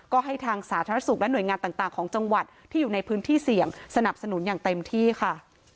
ก็ให้ทางสาธารณสุขและหน่วยงานต่างของจังหวัดที่อยู่ในพื้นที่เสี่ยงสนับสนุนอย่างเต็มที่ค่ะ